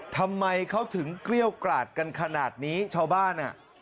ทำไมเขาถึงเกลี้ยวกราดกันขนาดนี้ชาวบ้านอ่ะ